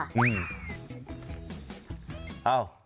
อ้าว